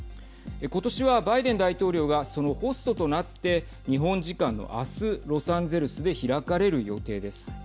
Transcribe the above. ことしはバイデン大統領がそのホストとなって日本時間のあす、ロサンゼルスで開かれる予定です。